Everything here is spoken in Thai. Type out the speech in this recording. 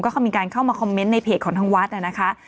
เขามีการเข้ามาคอมเมนต์ในเพจของทางวัดนะคะ